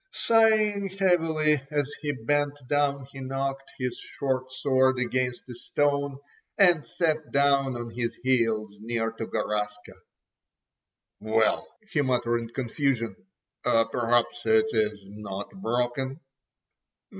Sighing heavily as he bent down he knocked his short sword against a stone, and sat down on his heels near to Garaska. "Well," he muttered in confusion, "perhaps it is not broken."